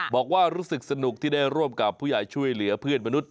บอกว่ารู้สึกสนุกที่ได้ร่วมกับผู้ใหญ่ช่วยเหลือเพื่อนมนุษย